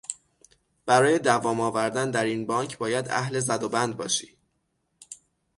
برای دوام آوردن در این بانک باید اهل زدوبند باشی.